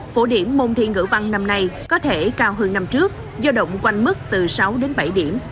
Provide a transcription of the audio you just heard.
phổ điểm môn thi ngữ văn năm nay có thể cao hơn năm trước giao động quanh mức từ sáu đến bảy điểm